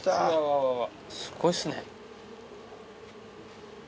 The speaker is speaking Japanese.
すごいっすね。